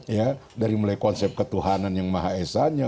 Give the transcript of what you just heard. ya dari mulai konsep ketuhanan yang maha esanya